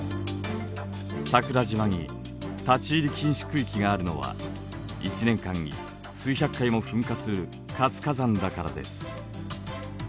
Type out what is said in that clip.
桜島に立ち入り禁止区域があるのは１年間に数百回も噴火する活火山だからです。